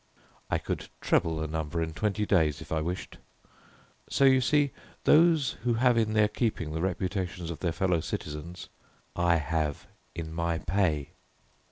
I could treble the number in twenty days if I wished. So you see, those who have in their keeping the reputations of their fellow citizens, I have in my pay."